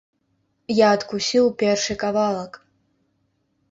Я адкусіў першы кавалак.